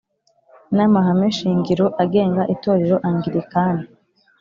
n amahame shingiro agenga Itorero Anglikani